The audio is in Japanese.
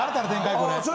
これ！